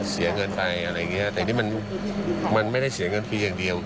เสียเงินไปแต่นี่มันไม่ได้เสียเงินพี่อย่างเดียว